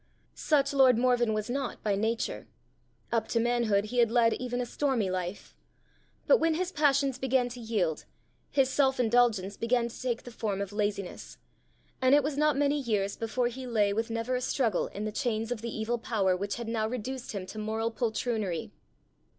Such lord Morven was not by nature; up to manhood he had led even a stormy life. But when his passions began to yield, his self indulgence began to take the form of laziness; and it was not many years before he lay with never a struggle in the chains of the evil power which had now reduced him to moral poltroonery.